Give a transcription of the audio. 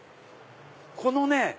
このね